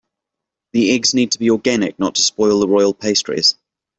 The eggs need to be organic to not spoil the royal pastries.